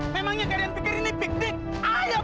memangnya kalian pikir ini piknik ayo